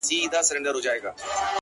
داسي قبـاله مي په وجـود كي ده.